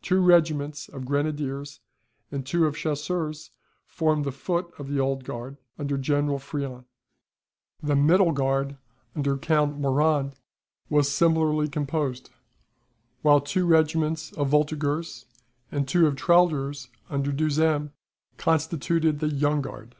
Two regiments of grenadiers and two of chasseurs, formed the foot of the Old Guard under General Friant. The Middle Guard, under Count Morand, was similarly composed; while two regiments of voltigeurs, and two of tirailleurs, under Duhesme, constituted the Young Guard.